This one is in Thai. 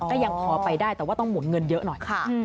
ก็ยังพอไปได้แต่ว่าต้องหมุนเงินเยอะหน่อยค่ะ